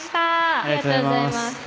ありがとうございます。